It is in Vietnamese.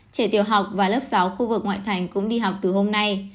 trẻ tiểu học và lớp sáu khu vực ngoại thành cũng đi học từ hôm nay